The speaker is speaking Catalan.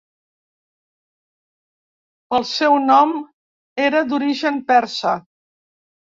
Pel seu nom era d'origen persa.